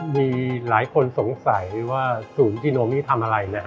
มีหลายคนสงสัยว่าศูนย์กิโนมิทำอะไร